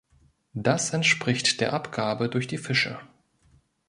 Das entspricht der Abgabe durch die Fische.